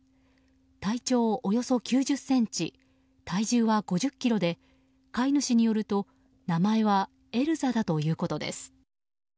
体長およそ９０ｃｍ体重は５０ｋｇで飼い主によると名前はエルザだということです。